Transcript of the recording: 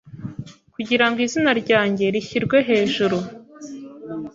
Kugira ngo izina ryanjye rishyirwehejuru